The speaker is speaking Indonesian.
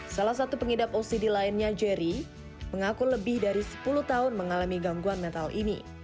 salah satu pengidap ocd lainnya jerry mengaku lebih dari sepuluh tahun mengalami gangguan mental ini